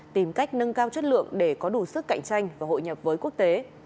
tìm cách nâng cao chất lượng để có đủ sức cạnh tranh và hội nhập với quốc tế